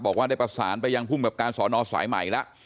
บอกว่าได้ประสานไปยังภูมิกับการสอนอสายใหม่แล้ว